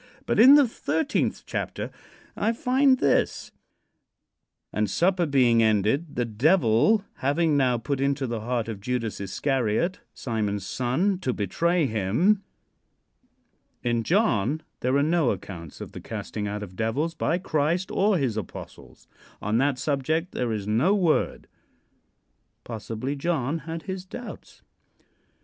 But in the thirteenth chapter I find this: "And supper being ended, the Devil having now put into the heart of Judas Iscariot, Simon's son, to betray him."... In John there are no accounts of the casting out of devils by Christ or his apostles. On that subject there is no word. Possibly John had his doubts.